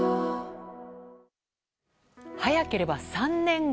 早ければ３年後